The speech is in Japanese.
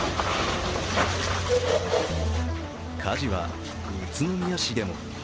火事は宇都宮市でも。